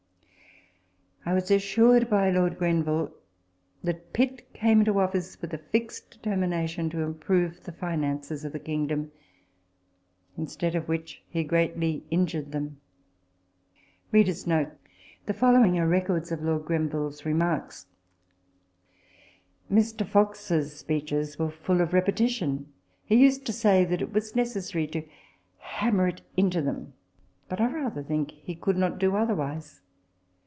I was assured by Lord Grenville * that Pitt came into office with a fixed determination to improve the finances of the kingdom ; instead of which he greatly injured them. Mr. Fox's speeches were full of repetition. He used to say that it was necessary to hammer it into them ; but I rather think he could not do otherwise.